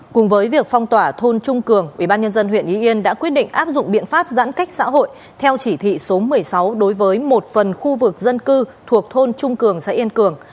cùng với việc phong tỏa thôn trung cường ubnd huyện ý yên đã quyết định áp dụng biện pháp giãn cách xã hội theo chỉ thị số một mươi sáu đối với một phần khu vực dân cư thuộc thôn trung cường xã yên cường